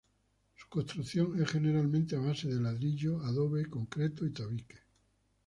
Su construcción es generalmente a base de ladrillo, adobe, concreto y tabique.